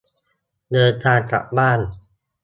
เดินทางกลับบ้าน